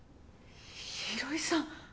廣井さん！？